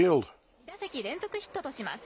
２打席連続ヒットとします。